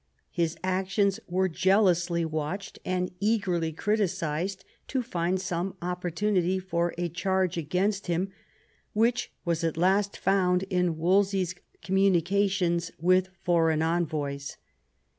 His actions were jealously watched and eagerly criticised to find some opportunity for a charge against him, which was at last found in Wolsey's communi cations with foreign envoys.